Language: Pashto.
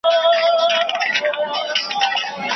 ایمانونه خرڅوي کوثر یې خړ دی